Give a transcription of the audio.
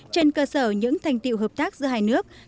trên cơ sở những thành tiệu hợp tác giữa hai nước